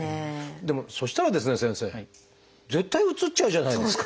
でもそしたら先生絶対うつっちゃうじゃないですか！